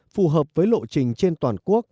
phù hợp với lộ trình trên toàn quốc